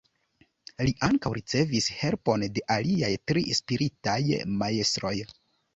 Li ankaŭ ricevis helpon de aliaj tri spiritaj majstroj.